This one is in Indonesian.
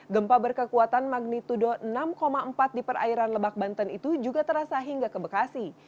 gempa berkekuatan magnitudo enam empat di perairan lebak banten itu juga terasa hingga ke bekasi